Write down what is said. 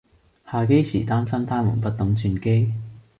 下機時擔心她們不懂轉機